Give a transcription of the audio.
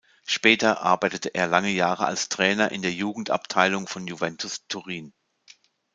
Später arbeitete er lange Jahre als Trainer in der Jugendabteilung von Juventus Turin.